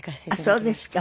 あっそうですか。